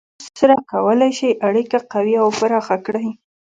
د ښې خبرې کولو سره کولی شئ اړیکه قوي او پراخه کړئ.